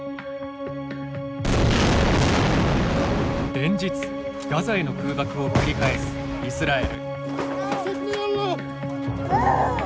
連日、ガザへの空爆を繰り返すイスラエル。